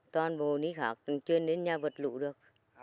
toàn bộ ní khạc chuyên đến nhà vật lũ được